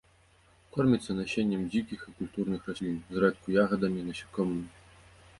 Корміцца насеннем дзікіх і культурных раслін, зрэдку ягадамі і насякомымі.